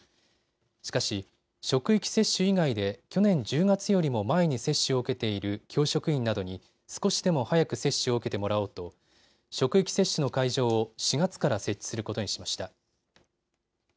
しかし、職域接種以外で去年１０月よりも前に接種を受けている教職員などに少しでも早く接種を受けてもらおうと職域接種の会場を４月から設置することにしました。